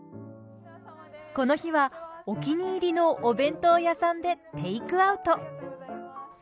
この日はお気に入りのお弁当屋さんでテイクアウト。